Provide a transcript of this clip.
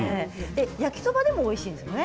焼きそばもおいしいんですよね。